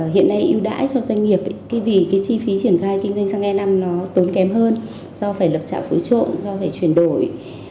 hiện nay ưu đãi cho doanh nghiệp khi vì cái chi phí triển khai kinh doanh xăng e năm nó tốn kém hơn do phải lập trạm phối trộn do phải chuyển đổi